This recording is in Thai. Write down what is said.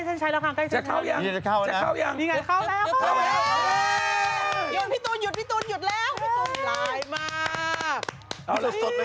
ล่ะจะเข้าหรือ